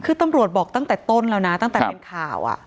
คือตำรวจบอกตั้งแต่ต้นแล้วนะตั้งแต่เป็นข่าว